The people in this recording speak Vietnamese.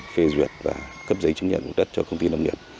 phê duyệt và cấp giấy chứng nhận đất cho công ty lâm nghiệp